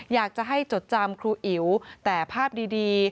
อยากจะให้จดจำครูอิ๋วแต่ภาพดี